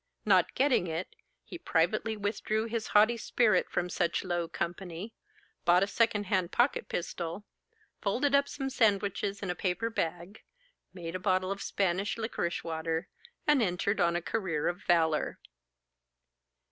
—Not getting it, he privately withdrew his haughty spirit from such low company, bought a second hand pocket pistol, folded up some sandwiches in a paper bag, made a bottle of Spanish liquorice water, and entered on a career of valour.